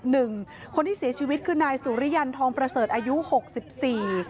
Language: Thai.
หนึ่งคนที่เสียชีวิตคือนายสุริยันทองประเสริฐอายุหกสิบสี่